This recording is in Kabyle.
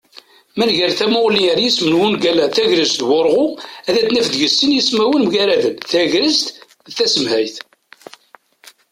Ma nger tamuγli ar yisem n wungal-a "tagrest d wurγu", ad naf deg-s sin yismawen mgaraden: tegrest d tasemhayt